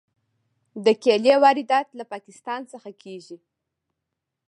د کیلې واردات له پاکستان څخه کیږي.